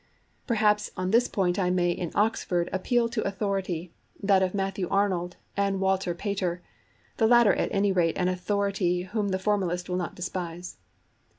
Perhaps on this point I may in Oxford appeal to authority, that of Matthew Arnold and Walter Pater, the latter at any rate an authority whom the formalist will not despise.